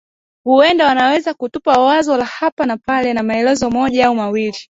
Huenda wanaweza kutupa wazo la hapa na pale na maelezo moja au mawili